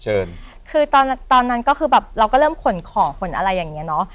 เชิญคือตอนตอนนั้นก็คือแบบเราก็เริ่มขนของขนอะไรอย่างเงี้เนอะ